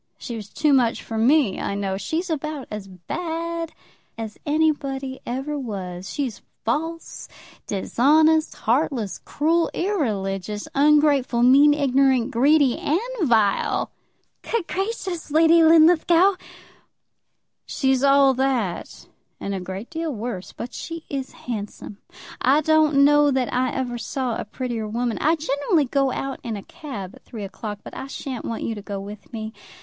She was too much for me, I know. She's about as bad as anybody ever was. She's false, dishonest, heartless, cruel, irreligious, ungrateful, mean, ignorant, greedy, and vile!" "Good gracious, Lady Linlithgow!" "She's all that, and a great deal worse. But she is handsome. I don't know that I ever saw a prettier woman. I generally go out in a cab at three o'clock, but I sha'n't want you to go with me.